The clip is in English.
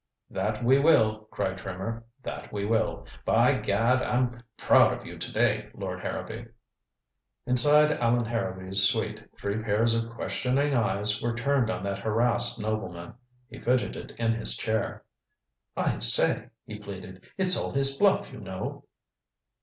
"That we will," cried Trimmer. "That we will. By gad, I'm proud of you to day, Lord Harrowby." Inside Allan Harrowby's suite three pairs of questioning eyes were turned on that harassed nobleman. He fidgeted in his chair. "I say," he pleaded. "It's all his bluff, you know."